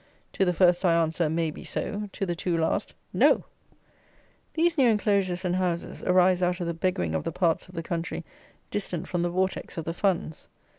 To the first I answer, May be so; to the two last, No. These new enclosures and houses arise out of the beggaring of the parts of the country distant from the vortex of the funds.